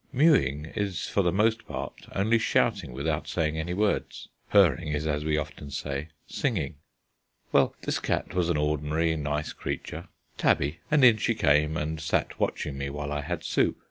Mewing is for the most part only shouting without saying any words. Purring is, as we often say, singing. Well, this cat was an ordinary nice creature, tabby, and in she came, and sat watching me while I had soup.